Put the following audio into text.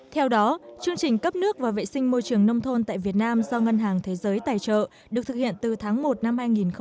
theo đó chương trình cấp nước và vệ sinh môi trường nông thôn tại việt nam do ngân hàng thế giới tài trợ được thực hiện từ tháng một năm hai nghìn một mươi chín